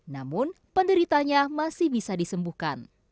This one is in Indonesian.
namun penderitanya masih bisa disembuhkan